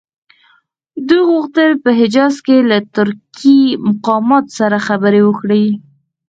دوی غوښتل په حجاز کې له ترکي مقاماتو سره خبرې وکړي.